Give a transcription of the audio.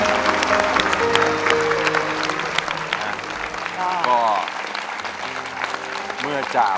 เปลี่ยนเพลงเพลงเก่งของคุณและข้ามผิดได้๑คำ